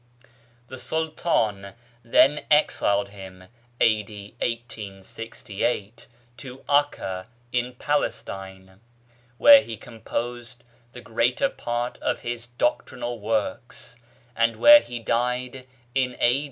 The Sultan then exiled him (A.D. 1868) to Acca in Palestine, where he composed the greater part of his doctrinal works, and where he died in A.